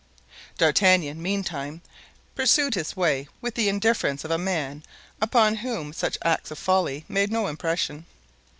D'Artagnan, meantime, pursued his way with the indifference of a man upon whom such acts of folly made no impression.